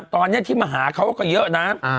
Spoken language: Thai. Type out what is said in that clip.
ตอนนี้ที่มาหาเขาก็เยอะนะ